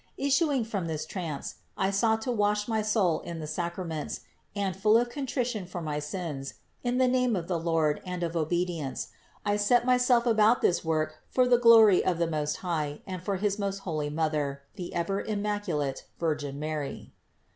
Issuing from the trance, I sought to wash my soul in the Sacraments and, full of contrition for my sins, in the name of the Lord and of obedience, I set myself about this work for the glory of the Most High and for his most holy Mother, the ever immaculate Virgin Mary.